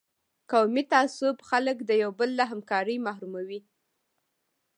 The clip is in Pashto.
قومي تعصب خلک د یو بل له همکارۍ محروموي.